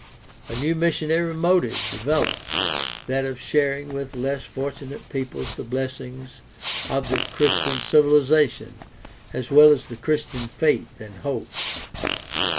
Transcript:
A new missionary motive developed, that of shar ing with less fortunate peoples the blessings of the Christian civilization as well as the Christian faith and hope.